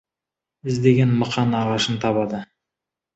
Iздеген мықан ағашын табады.